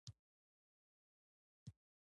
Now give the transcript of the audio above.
مېز د کتابتون زړه دی.